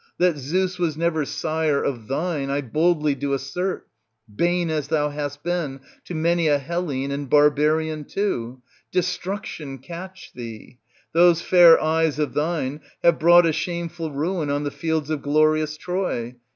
That Zeus was never sire of thine I boldly do assert, bane as thou hast been to many a Hellene and barbarian too. Destruction catch thee ! Those fair eyes of thine have brought a shame ful ruin on the fields of glorious Troy.